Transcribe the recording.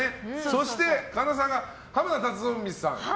そして、神田さんが濱田龍臣さん。